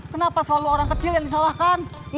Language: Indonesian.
kenapa selalu orang kecil yang disalahkan